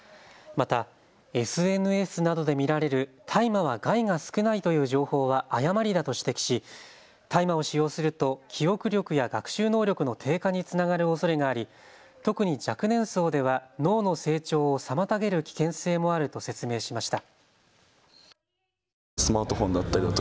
また、ＳＮＳなどで見られる大麻は害が少ないという情報は誤りだと指摘し大麻を使用すると記憶力や学習能力の低下につながるおそれがあり特に若年層では脳の成長を妨げる危険性もあると説明しました。